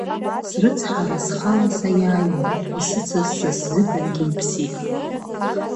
Срыцҳара схала саиааиуан, исыцыз са сзыҳәангьы иԥсит.